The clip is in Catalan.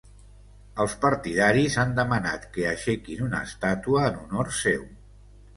Els partidaris han demanat que aixequin una estàtua en honor seu.